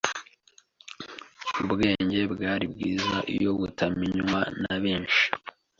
Ubwenge bwari bwiza iyo butamenywa na benshi